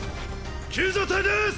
救助隊ですッ。